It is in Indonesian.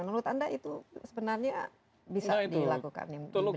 menurut anda itu sebenarnya bisa dilakukan di benua